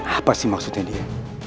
apa sih maksudnya dia